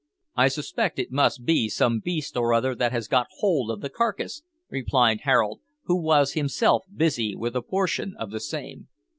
"I suspect it must be some beast or other that has got hold of the carcase," replied Harold, who was himself busy with a portion of the same.